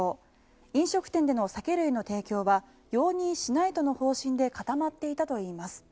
飲食店での酒類の提供は容認しないとの方針で固まっていたといいます。